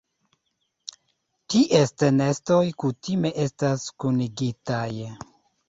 Ties nestoj kutime estas kunigitaj.